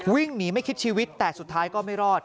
วิ่งหนีไม่คิดชีวิตแต่สุดท้ายก็ไม่รอด